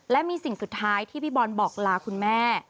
และมีสิ่งสุดท้ายที่พี่บอลบอกลาคุณแม่